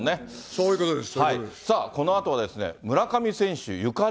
そういうことです。